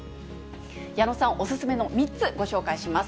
矢野さんお勧めの３つ、ご紹介します。